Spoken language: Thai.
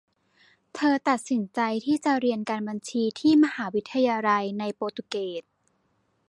เธอตัดสินใจที่จะเรียนการบัญชีที่มหาวิทยาลัยในโปรตุเกส